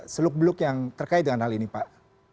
seluk beluk yang terkait dengan hal ini pak